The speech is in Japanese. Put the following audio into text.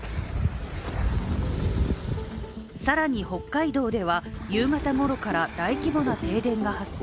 更に北海道では夕方ごろから大規模な停電が発生。